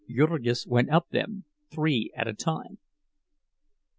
Jurgis went up them, three at a time.